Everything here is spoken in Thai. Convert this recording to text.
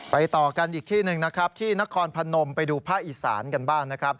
ไปต่อกันอีกที่หนึ่งที่นครพนมไปดูพระอิสราญกันบ้าง